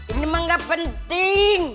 ini mah gak penting